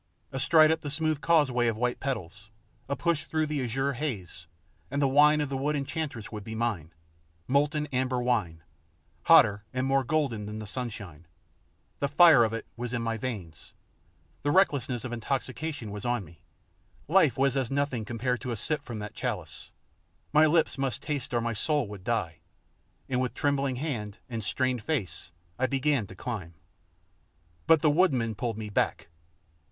A stride up the smooth causeway of white petals, a push through the azure haze, and the wine of the wood enchantress would be mine molten amber wine, hotter and more golden than the sunshine; the fire of it was in my veins, the recklessness of intoxication was on me, life itself as nothing compared to a sip from that chalice, my lips must taste or my soul would die, and with trembling hand and strained face I began to climb. But the woodman pulled me back.